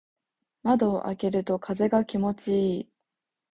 窓を開けると風が気持ちいい。